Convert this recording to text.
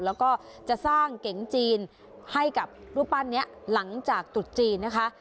แล้วก็จะสร้างเก๋งจีนให้กับรูปปั้นนี้หลังจากตุดจีนนะคะ